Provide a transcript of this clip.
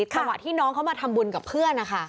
จังหวะที่น้องเขามาทำบุญกับเพื่อนนะคะ